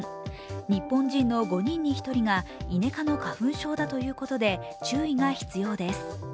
日本人の５人に１人がイネ科の花粉症だということで注意が必要です。